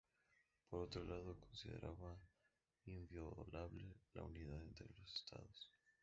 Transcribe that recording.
Por otro lado, consideraba inviolable la unidad entre los Estados.